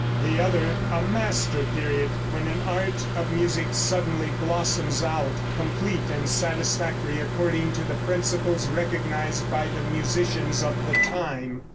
The other, a Master Period, when an art of music suddenly blossoms out, complete and satisfactory according to the principles recognized by the musicians of the time.